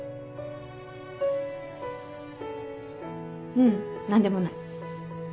ううん。何でもない。